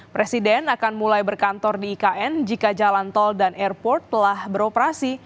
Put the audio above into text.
presiden akan mulai berkantor di ikn jika jalan tol dan airport telah beroperasi